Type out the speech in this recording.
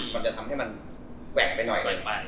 มันจะทำให้มันแกว่งไปหน่อยไป